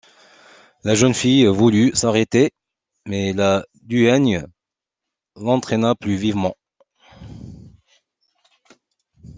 La jeune fille voulut s’arrêter, mais la duègne l’entraîna plus vivement.